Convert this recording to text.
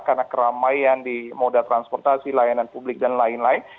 karena keramaian di modal transportasi layanan publik dan lain lain